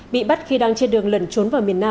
bị bắt khi đang trên đường lẩn trốn vào miền nam